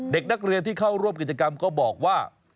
เด็กนักเรียนที่เข้าร่วมกิจกรรมก็บอกว่า